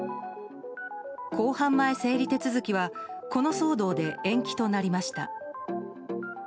公判前整理手続きはこの騒動で延期となりました。